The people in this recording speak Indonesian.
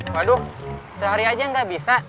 waduh sehari aja nggak bisa